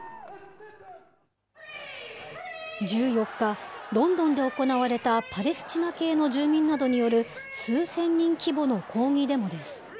１４日、ロンドンで行われたパレスチナ系の住民などによる数千人規模の抗議デモです。